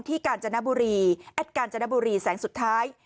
กาญจนบุรีแอดกาญจนบุรีแสงสุดท้าย